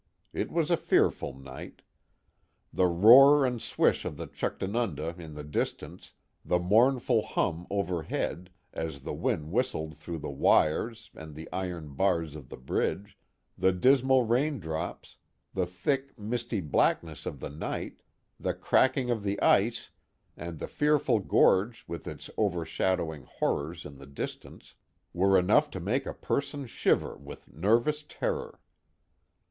It was a fearful night. The roar and swish of the Chuctanunda in the distance, the mournful hum overhead, as the wind whistled through the wires and the iron bars of the bridge, the dismal rain drops, the thick, misty blackness of the night, the cracking of the ice, and the fearful gorge with its overshadowing horrors in the dis tance, were enough to make a person shiver with nervous terror.